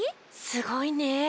すごいね。